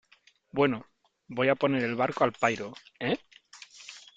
bueno , voy a poner el barco al pairo ,¿ eh ?